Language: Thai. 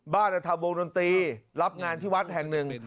บ้านจะทำวงดนตรีรับงานที่วัดแห่งหนึ่ง